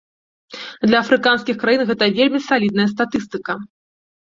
Для афрыканскіх краін гэта вельмі салідная статыстыка.